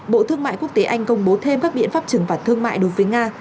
bộ thương mại quốc tế anh công bố thêm các biện pháp trừng phạt thương mại đối với nga